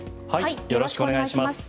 よろしくお願いします。